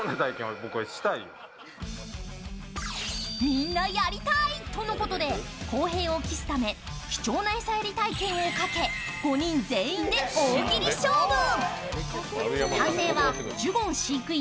みんなやりたいとのことで、公平を期すため、貴重な餌やり体験をかけ、５人全員で大喜利勝負。